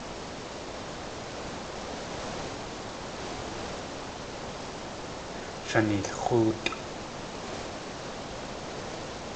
Shaneelx̲óotʼ!